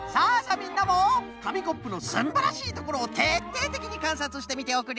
みんなもかみコップのすんばらしいところをてっていてきにかんさつしてみておくれ。